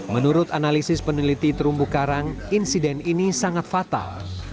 menurut analisis peneliti terumbu karang insiden ini sangat fatal